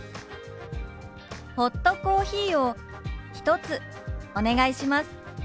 「ホットコーヒーを１つお願いします」。